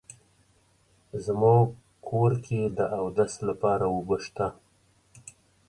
زمونږ کور کې د اودس لپاره اوبه شته